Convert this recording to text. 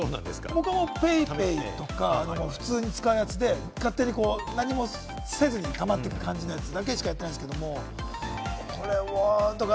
僕はＰａｙＰａｙとか普通に使うやつで、勝手に何もせずに貯まっていく感じのやつだけしか、やってないですけど。